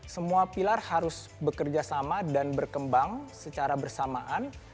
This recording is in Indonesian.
semua pilar harus bekerja sama dan berkembang secara bersamaan